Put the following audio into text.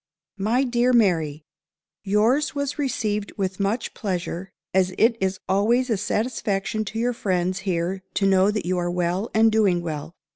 "My DEAR MARY Yours was received with much pleasure, as it is always a satisfaction to your friends here to know that you are well and doing _well.